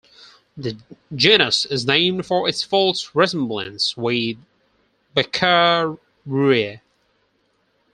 The genus is named for its false resemblance with "Baccaurea".